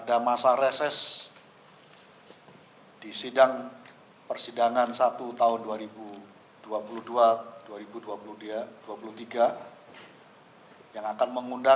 dan kejadian kesempatan olahraga